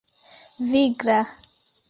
vigla